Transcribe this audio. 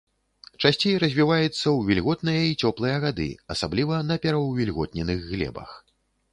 Часцей развіваецца ў вільготныя і цёплыя гады, асабліва на пераўвільготненых глебах.